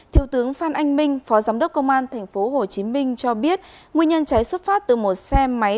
thiếu tướng phan anh minh phó giám đốc công an tp hcm cho biết nguyên nhân cháy xuất phát từ một xe máy